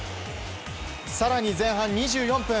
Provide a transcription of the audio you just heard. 更に前半２４分。